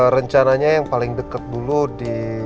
rencananya yang paling dekat dulu di